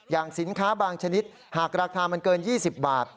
สินค้าบางชนิดหากราคามันเกิน๒๐บาท